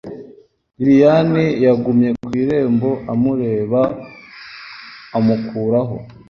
lilian yagumye ku irembo amureba amukuraho